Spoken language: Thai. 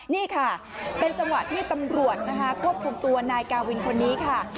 นี่ค่ะเป็นจังหวะที่ตำรวจนะคะควบคุมตัวนายกาวินคนนี้ค่ะ